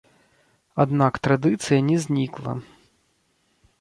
Аднак традыцыя не знікла.